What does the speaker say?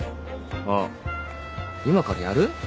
あっ今からやる？